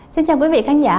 xin chào quý vị khán giả